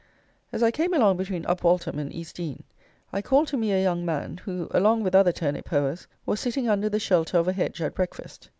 As I came along between Upwaltham and Eastdean, I called to me a young man, who, along with other turnip hoers, was sitting under the shelter of a hedge at breakfast.